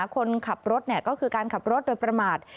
คนขับรถก็คือการขับรถโดยประมาท